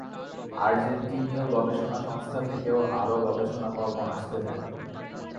আর্জেন্টিনীয় গবেষণা সংস্থা থেকেও আরও গবেষণাকর্ম আসতে থাকে।